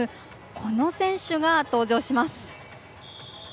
この選手が登場します。